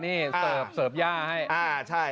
นี่เสิร์ฟย่าให้